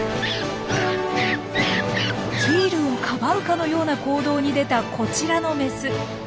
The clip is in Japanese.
キールをかばうかのような行動に出たこちらのメス。